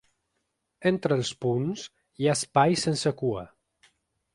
Entre els punts, hi ha espais sense cua.